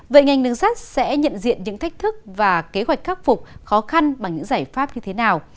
vậy ngành đường sắt sẽ nhận diện những thách thức và kế hoạch khắc phục khó khăn bằng những giải pháp như thế nào